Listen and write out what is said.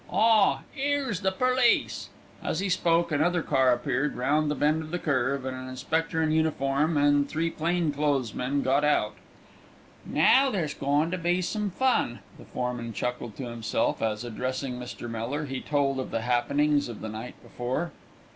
Ah! 'ere's the perlice!" As he spoke another car appeared round the bend of the drive, and an inspector in uniform and three plain clothes men got out. "Now there's goin' to be some fun," the foreman chuckled to himself as, addressing Mr. Miller, he told of the happenings of the night before.